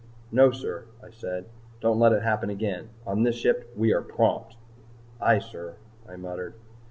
"No, sir," I said. "Don't let it happen again. On this ship we are prompt." "Aye, sir," I muttered.